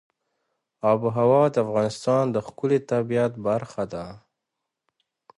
آب وهوا د افغانستان د ښکلي طبیعت برخه ده.